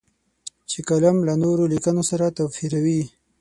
چې کالم له نورو لیکنو سره توپیروي.